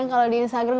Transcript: kalo di instagram